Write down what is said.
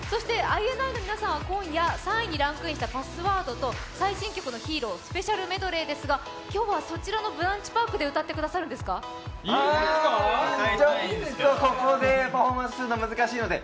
ＩＮＩの皆さんは今夜３位にランクインした「Ｐａｓｓｗｏｒｄ」と、最新曲の「ＨＥＲＯ」スペシャルメドレーですが、今日はそちらのブランチパークでここで歌うのは難しいので、